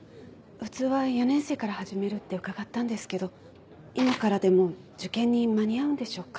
普通は４年生から始めるって伺ったんですけど今からでも受験に間に合うんでしょうか。